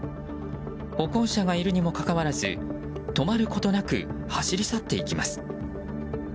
歩行者がいるにもかかわらず止まることなく走り去っていきます。